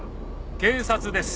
警察です。